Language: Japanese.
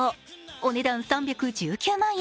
お値段３１９万円。